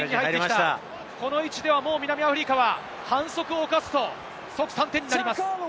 この位置では南アフリカは反則を犯すと即３点になります。